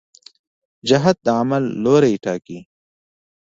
جهت د عمل لوری ټاکي.